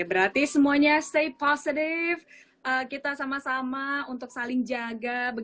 berarti semuanya safe positive kita sama sama untuk saling jaga